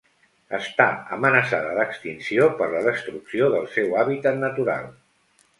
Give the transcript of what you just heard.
Està amenaçada d'extinció per la destrucció del seu hàbitat natural.